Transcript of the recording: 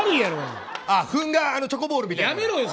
粉があるチョコボールみたいな。